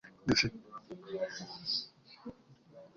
Zipper yanjye yagumye hagati